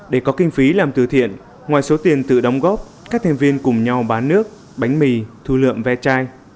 để có kinh phí làm từ thiện ngoài số tiền tự đóng góp các thành viên cùng nhau bán nước bánh mì thu lượm ve chai